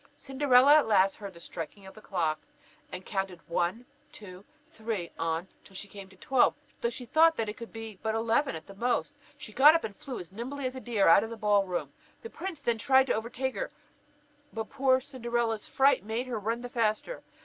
Cinderella at last heard the striking of a clock, and counted one, two, three, on till she came to twelve, though she thought that it could be but eleven at most. She got up and flew as nimbly as a deer out of the ball room. The prince tried to overtake her; but poor Cinderella's fright made her run the faster.